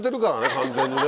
完全にね。